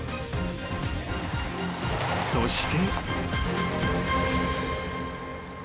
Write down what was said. ［そして］